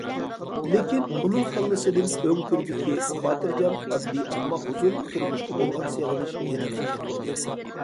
لېكىن ئۇنىڭ كاللىسىدىن ئۆڭكۈردىكى خاتىرجەم، ئاددىي ئەمما ھۇزۇرلۇق تۇرمۇشقا بولغان سېغىنىش يەنىلا كەتمىدى.